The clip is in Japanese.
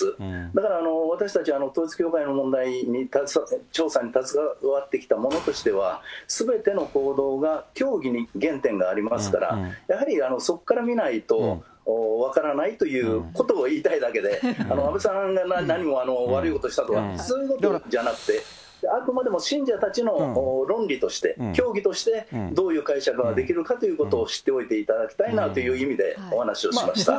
だから私たち、統一教会の調査に携わってきたものとしては、すべての行動が教義に原点がありますから、やはりそこから見ないと分からないということを言いたいだけで、安倍さんが何も悪いことしたとは、そういうことじゃなくて、あくまでも信者たちの論議として、教義としてどういう解釈ができるかということを知っておいていただきたいなという意味でお話をしました。